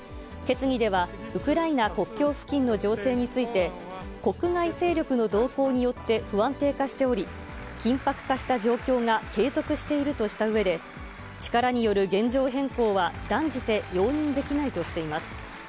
決議では、ウクライナ国境付近の情勢について、国外勢力の動向によって不安定化しており、緊迫化した状況が継続しているとしたうえで、力による現状変更は断じて容認できないとしています。